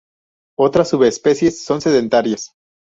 Otras subespecies son sedentarias.